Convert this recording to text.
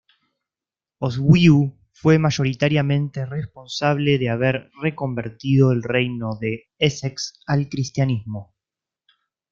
Oswiu fue mayoritariamente responsable de haber reconvertido el Reino de Essex al cristianismo.